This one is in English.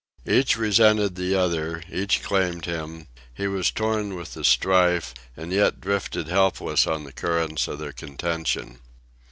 Each resented the other, each claimed him; he was torn with the strife, and yet drifted helpless on the currents of their contention.